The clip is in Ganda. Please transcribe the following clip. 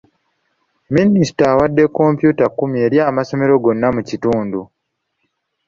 Minisita awadde kompyuta kkumi eri amasomero gonna mu kitundu.